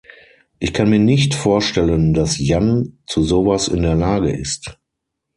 Ich kann mir nicht vorstellen, das Jan zu sowas in der Lage ist.